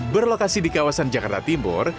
berlokasi di kawasan jakarta timur